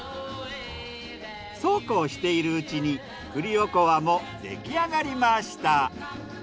そうこうしているうちに栗おこわも出来上がりました。